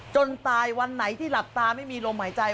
จนตายวันไหนที่หลับตาไม่มีลมหายใจ